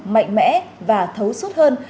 mạnh mẽ và thấu suốt hơn